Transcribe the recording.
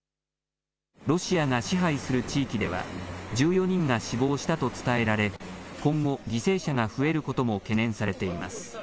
ロシアが支配する地域では１４人が死亡したと伝えられ今後、犠牲者が増えることも懸念されています。